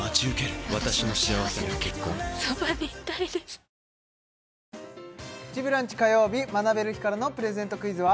「プチブランチ」火曜日学べる日からのプレゼントクイズは？